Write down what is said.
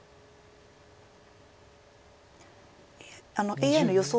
ＡＩの予想